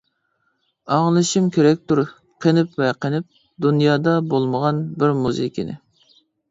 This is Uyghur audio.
ئاڭلىشىم كېرەكتۇر قېنىپ ۋە قېنىپ، دۇنيادا بولمىغان بىر مۇزىكىنى.